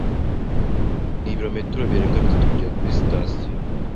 Nibirometero birenga bitatu kugera kuri sitasiyo.